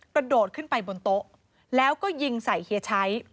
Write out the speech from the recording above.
กระโดดขึ้นไปบนโต๊ะแล้วก็ยิงใส่เฮียชัย